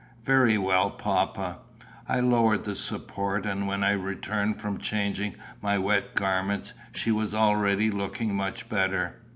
"Very well, papa." I lowered the support, and when I returned from changing my wet garments she was already looking much better.